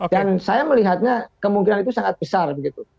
dan saya melihatnya kemungkinan itu sangat besar begitu